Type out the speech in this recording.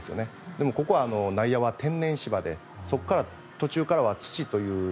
でも、ここは内野は天然芝で途中からは土という。